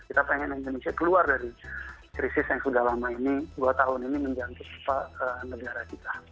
kita pengen indonesia keluar dari krisis yang sudah lama ini dua tahun ini menjangkit negara kita